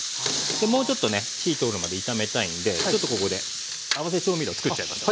もうちょっとね火通るまで炒めたいんでちょっとここで合わせ調味料をつくっちゃいましょ。